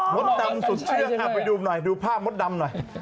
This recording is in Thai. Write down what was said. มดดำสุดเชื่องไปดูหน่อยดูภาพมดดำหน่อย